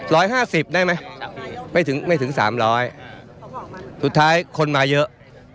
ร้อยห้าสิบได้ไหมไม่ถึงไม่ถึงสามร้อยสุดท้ายคนมาเยอะ